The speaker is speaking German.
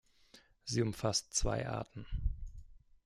Sie umfasst zwei Arten.